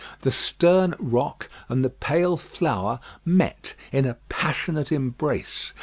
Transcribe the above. The stern rock and the pale flower met in a passionate embrace.